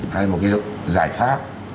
hay một cái giải pháp